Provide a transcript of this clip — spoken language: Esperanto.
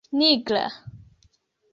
nigra